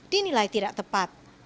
dinilai tidak tepat